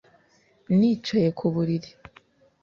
Nicaye ku buriri